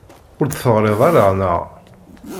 Ur d-teɣriḍ ara, naɣ?